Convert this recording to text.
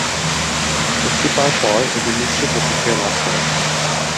মুক্তি পাওয়ার পর এটি মিশ্র প্রতিক্রিয়া লাভ করে।